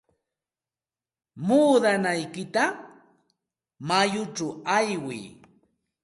Muudanaykita mayuchaw aywiy.